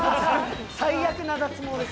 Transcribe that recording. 最悪な脱毛です